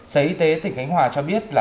sở y tế khánh hòa cho biết là